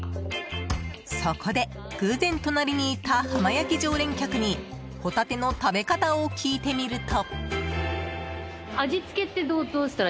そこで偶然、隣にいた浜焼き常連客にホタテの食べ方を聞いてみると。